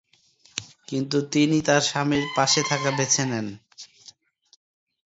কিন্তু, তিনি তার স্বামীর পাশে থাকা বেছে নেন।